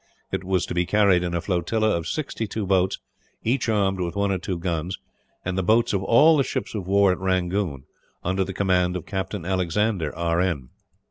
It was to be carried in a flotilla of sixty two boats, each armed with one or two guns; and the boats of all the ships of war at Rangoon, under the command of Captain Alexander, R. N.